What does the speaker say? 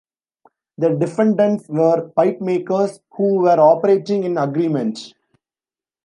The defendants were pipemakers who were operating in agreement.